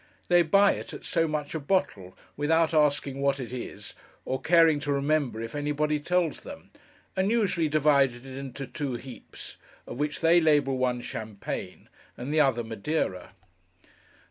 They buy it at so much a bottle, without asking what it is, or caring to remember if anybody tells them, and usually divide it into two heaps; of which they label one Champagne, and the other Madeira.